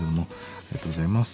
ありがとうございます。